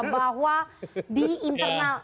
bahwa di internal